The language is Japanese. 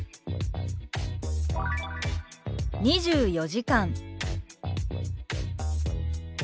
「２４時間」。